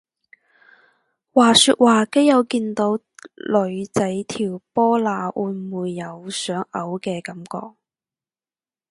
話說話基友見到女仔條波罅會唔會有想嘔嘅感覺？